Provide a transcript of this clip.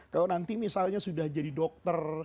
kalau nanti misalnya sudah jadi dokter